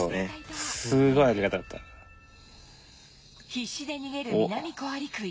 必死で逃げるミナミコアリクイ